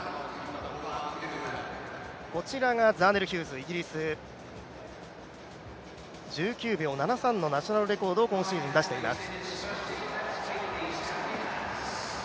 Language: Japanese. こちらがザーネル・ヒューズ、イギリス、１９秒７３のナショナルレコードを今シーズン出しています。